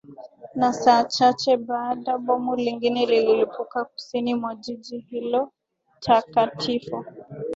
na saa chache baada bomu lingine lilipuka kusini mwa jiji hilo takatifo